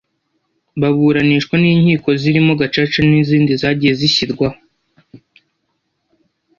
baburanishwa n’inkiko zirimo gacaca n’izindi zagiye zishyirwaho